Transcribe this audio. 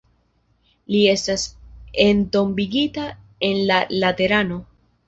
Li estas entombigita en la Laterano.